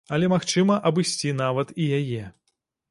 Але магчыма абысці нават і яе.